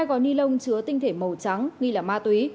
hai gói ni lông chứa tinh thể màu trắng nghi là ma túy